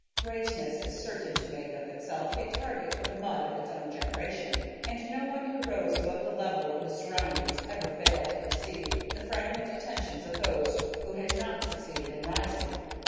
Greatness is certain to make of itself a target for the mud of its own generation, and no one who rose above the level of his surroundings ever failed to receive the fragrant attentions of those who had not succeeded in rising.